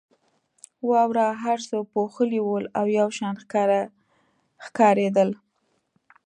واورو هر څه پوښلي ول او یو شان ښکارېدل.